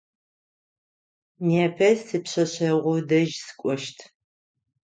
Непэ сипшъэшъэгъу дэжь сыкӏощт.